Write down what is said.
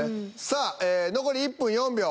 さあ残り１分４秒。